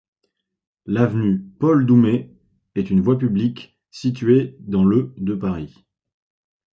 L'avenue Paul-Doumer est une voie publique située dans le de Paris.